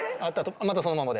まだそのままで。